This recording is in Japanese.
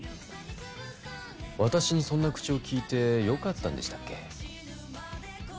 私にそんな口を利いてよかったんでしたっけ？